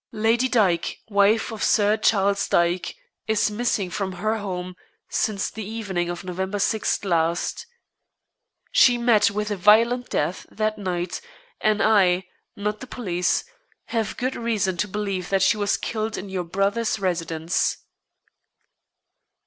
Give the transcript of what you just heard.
Lady Dyke, wife of Sir Charles Dyke, is missing from her home since the evening of November 6 last. She met with a violent death that night, and I not the police have good reason to believe that she was killed in your brother's residence."